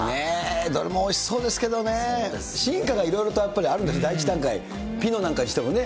どれもおいしそうですけどね、進化がいろいろとやっぱりあるんですね、第１段階、ピノなんかにしてもね。